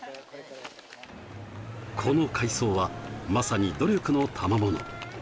この快走はまさに努力のたまもの。